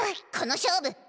この勝負